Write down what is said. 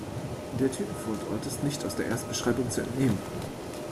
Der Typenfundort ist nicht aus der Erstbeschreibung zu entnehmen.